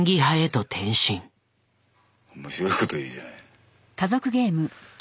面白いこと言うじゃない。